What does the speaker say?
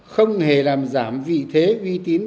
không hề làm giảm vị thế uy tín